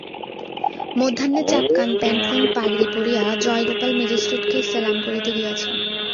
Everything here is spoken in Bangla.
মধ্যাহ্নে চাপকান প্যান্টলুন পাগড়ি পরিয়া জয়গোপাল ম্যাজিস্ট্রেটকে সেলাম করিতে গিয়াছে।